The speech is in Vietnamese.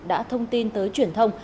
đã thông tin tới truyền thông